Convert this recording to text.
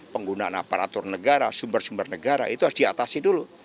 penggunaan aparatur negara sumber sumber negara itu harus diatasi dulu